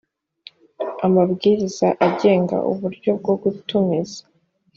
amabwiriza agenga uburyo bwo gutumiza